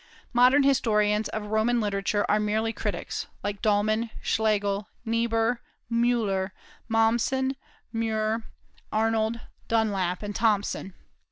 Modern historians of Roman literature are merely critics, like Dalhmann, Schlegel, Niebuhr, Muller, Mommsen, Mure, Arnold, Dunlap, and Thompson.